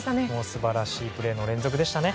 素晴らしいプレーの連続でした。